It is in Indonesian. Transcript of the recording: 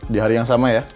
di hari yang sama ya